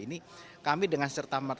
jadi kami dengan serta merta